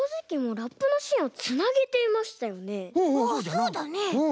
そうだね。